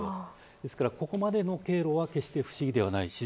ですから、ここまでの経路は決して不思議ではない、自然。